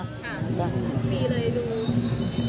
ปีเลยดู